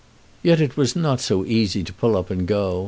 Yet it was not so easy to pull up and go.